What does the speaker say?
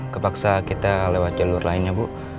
kepaksa kita lewat jalur lainnya bu